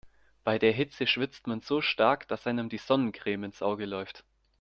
Bei der Hitze schwitzt man so stark, dass einem die Sonnencreme ins Auge läuft.